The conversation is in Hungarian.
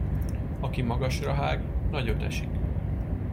Aki magasra hág, nagyot esik.